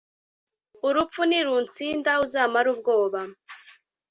Urupfu nirunsinda uzamare ubwoba